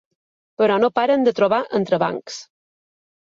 Però no paren de trobar entrebancs.